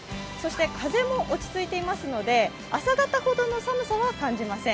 風も落ち着いていますので、朝方ほどの寒さは感じません。